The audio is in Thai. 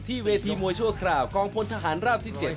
เวทีมวยชั่วคราวกองพลทหารราบที่๗